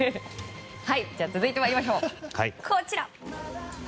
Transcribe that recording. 続いて参りましょう。